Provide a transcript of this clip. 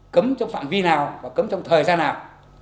cấm trong phạm vi nào và cấm trong thời gian nào